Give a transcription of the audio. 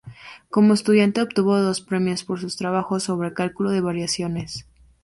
Como estudiante obtuvo dos premios por sus trabajos sobre cálculo de variaciones.